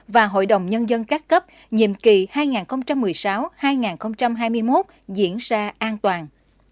và hội đồng nhân dân các cấp nhiệm kỳ hai nghìn một mươi sáu hai nghìn hai mươi một diễn ra an toàn